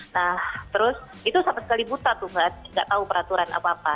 nah terus itu sama sekali buta tuh mbak nggak tahu peraturan apa apa